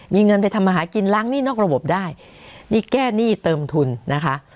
มีเงินไปทำมาหากินล้างหนี้นอกระบบได้นี่แก้หนี้เติมทุนนะคะ